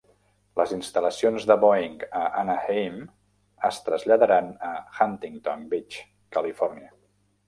Les instal·lacions de Boeing a Anaheim es traslladaran a Huntington Beach, Califòrnia.